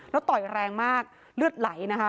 แล้วต่อยแรงมากเลือดไหลนะคะ